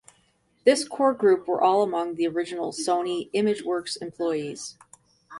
This core group were all among the original Sony Imageworks employees.